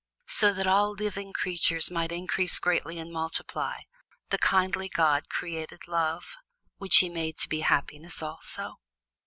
So that all living creatures might increase greatly and multiply, the kindly god created Love, which he made to be Happiness also.